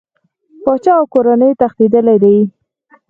پاچا او کورنۍ تښتېدلي دي.